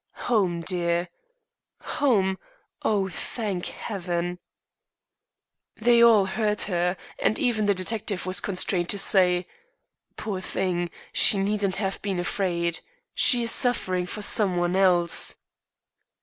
"Home, dear." "Home? Oh, thank Heaven!" They all heard her, and even the detective was constrained to say: "Poor thing, she needn't have been afraid. She is suffering for some one else."